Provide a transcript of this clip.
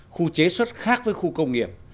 khu chế xuất khác với khu công nghiệp